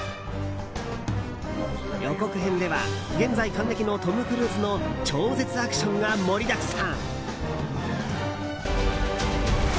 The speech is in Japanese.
予告編では、現在還暦のトム・クルーズの超絶アクションが盛りだくさん。